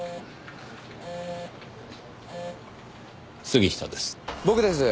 杉下です。